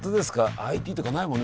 ＩＴとかないもんね